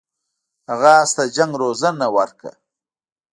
هغه اس ته د جنګ روزنه ورکړه.